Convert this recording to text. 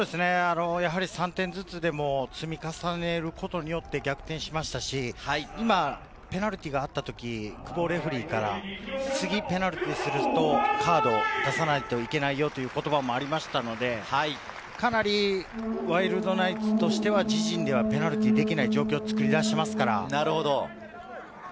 ３点ずつでも、積み重ねることによって逆転しましたし、ペナルティーがあった時に久保レフェリーから、「次、ペナルティーをするとカード出さないといけないよ」という言葉がありましたので、かなりワイルドナイツとしては自陣ではペナルティーをできない状況を作り出しています。